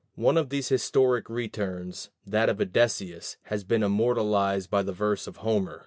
One of these historic "Returns," that of Odysseus, has been immortalized by the verse of Homer.